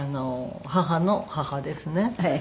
義母の母ですね。